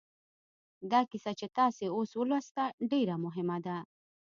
دا کیسه چې تاسې اوس ولوسته ډېره مهمه ده